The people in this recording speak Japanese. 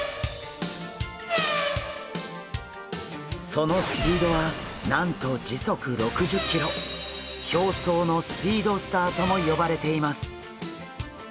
そのスピードはなんと表層のスピードスターとも呼ばれています。